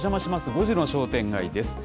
５時の商店街です。